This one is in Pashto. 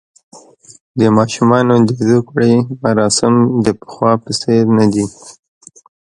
د ماشومانو د زوکړې مراسم د پخوا په څېر نه دي.